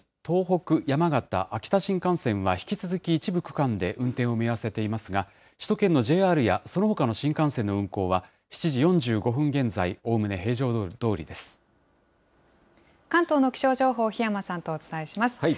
東北、山形、秋田新幹線は引き続き一部区間で運転を見合わせていますが、首都圏のＪＲやそのほかの新幹線の運行は７時４５分現在、おおむ関東の気象情報、檜山さんとお伝えします。